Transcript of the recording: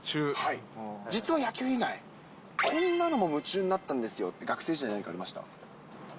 実は野球以外、こんなのも夢中になったんですよって、学生時代になんかありました？